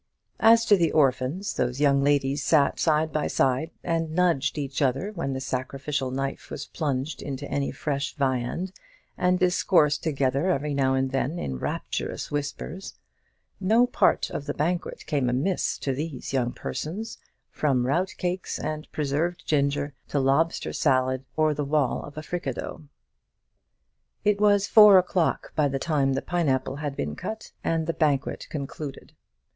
As to the orphans, those young ladies sat side by side, and nudged each other when the sacrificial knife was plunged into any fresh viand, and discoursed together every now and then in rapturous whispers. No part of the banquet came amiss to these young persons, from rout cakes and preserved ginger to lobster salad or the wall of a fricandeau. It was four o'clock by the time the pine apple had been cut, and the banquet concluded.